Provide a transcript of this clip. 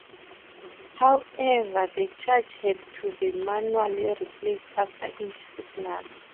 However, the charge had to be manually replaced after each signal.